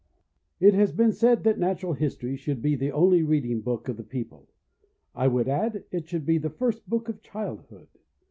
It has been said that Natural History should be the only reading book of the people ; I would add, it should be the first book of childhood.